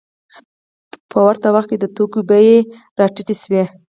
په ورته وخت کې د توکو بیې راټیټې شوې